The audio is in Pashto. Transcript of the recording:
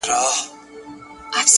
ښه پوهېږې نوی کال دی صدقې.